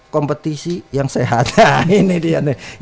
kompetisi yang sehat nah ini dia nih